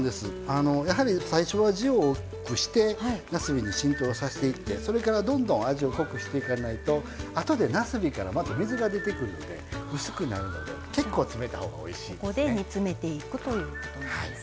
やはり最初は汁を多くしてなすびに浸透させていってどんどん味を濃くしていかないとあとで、なすびから水が出てくるので詰めたほうがおいしいですね。